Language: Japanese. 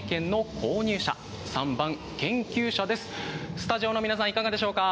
スタジオの皆さん、いかがでしょうか？